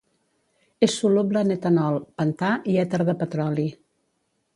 És soluble en etanol, pentà i èter de petroli.